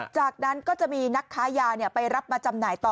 จากนั้นก็จะมีนักค้ายาไปรับมาจำหน่ายต่อ